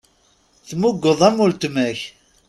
Tmugeḍ am weltma-k.